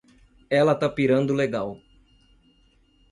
Ela tá pirando legal.